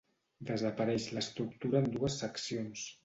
Desapareix l'estructura en dues seccions.